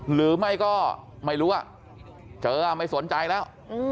หรือไม่ก็ไม่รู้เจอไม่สนใจแล้ว